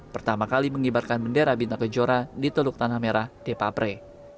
pertama kali mengibarkan bendera bintang kejora di teluk tanah merah depapre